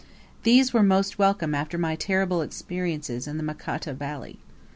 These were most welcome after my terrible experiences in the Makata Valley.